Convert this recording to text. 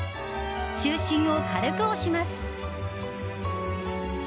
中心を軽く押します。